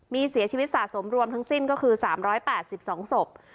มีเสียชีวิตสะสมรวมทั้งสิ้นก็คือ๓๘๒ศพ